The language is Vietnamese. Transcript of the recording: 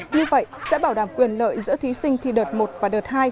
như vậy sẽ bảo đảm quyền lợi giữa thí sinh thi đợt một và đợt hai